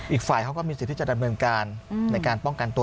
อีกฝ่ายเขาก็มีสิทธิ์ที่จะดำเนินการในการป้องกันตัว